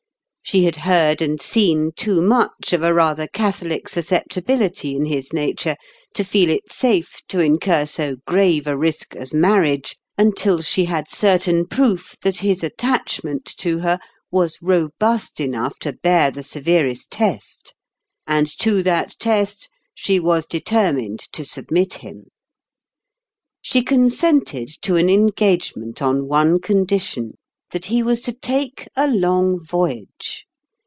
She had heard and seen too much of a rather catholic susceptibility in his nature, to feel it safe to in cur so grave a risk as marriage until she had certain proof that his attachment to her was robust enough to bear the severest test; and to that test she was determined to submit him. She consented to an engagement on one condition, that he was to take a long voyage.